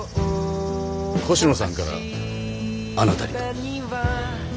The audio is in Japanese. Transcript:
越乃さんからあなたにと。